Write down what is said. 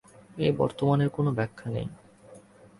এই বর্তমানের কোনো ব্যাখ্যা নেই।